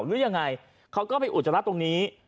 หรือยังไงเขาก็ไปอุจจาระตรงนี้